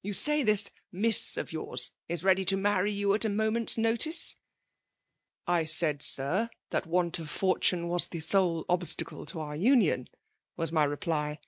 You say this Miss of yours is ready to marry you at a moment's notice?'— ' I siud. Sir, that want of fortune was the sole obstacle to our union,' — ^was my reply.